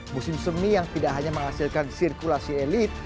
musim semi yang tidak hanya menghasilkan sirkulasi elit